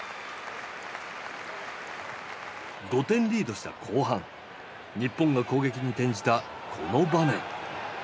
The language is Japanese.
５点リードした後半日本が攻撃に転じたこの場面。